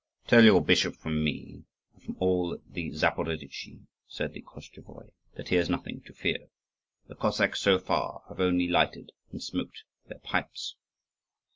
"Tell your bishop from me and from all the Zaporozhtzi," said the Koschevoi, "that he has nothing to fear: the Cossacks, so far, have only lighted and smoked their pipes."